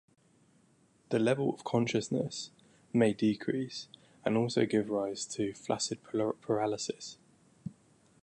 The level of consciousness may decrease and also give rise to flaccid paralysis.